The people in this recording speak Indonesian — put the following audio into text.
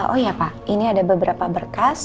oh ya pak ini ada beberapa berkas